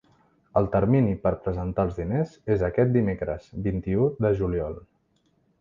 El termini per presentar els diners és aquest dimecres, vint-i-u de juliol.